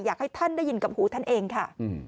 อยากให้ท่านได้ยินกับหูท่านเองค่ะ